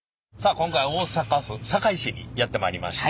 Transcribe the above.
今回大阪府堺市にやって参りました。